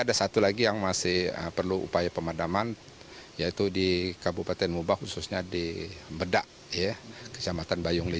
kesulitannya memang itu kenanya di lahan gambut